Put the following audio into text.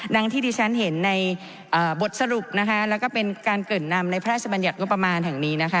ดังที่เห็นในบทสรุปและเป็นการเกิดนำในพระราชบัญญัติมุมประมาณ